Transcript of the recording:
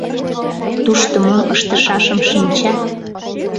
Тушто мом ыштышашым шинчат.